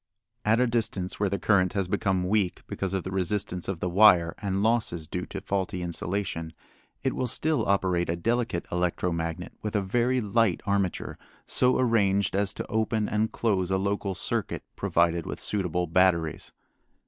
At a distance where the current has become weak because of the resistance of the wire and losses due to faulty insulation, it will still operate a delicate electro magnet with a very light armature so arranged as to open and close a local circuit provided with suitable batteries.